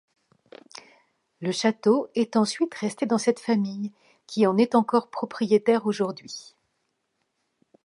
Le château est ensuite resté dans cette famille qui en est encore propriétaire aujourd'hui.